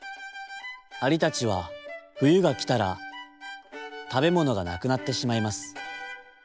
アリたちは「ふゆがきたらたべものがなくなってしまいます。